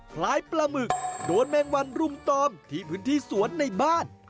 คล้ายปลาหมึกโดนแมงวันรุมตอมที่พื้นที่สวนในบ้าน